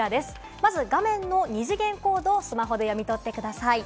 まず画面の二次元コードをスマートフォンで読み取ってください。